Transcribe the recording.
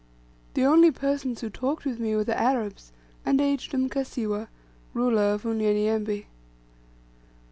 The only persons who talked with me were the Arabs, and aged Mkasiwa, ruler of Unyanyembe.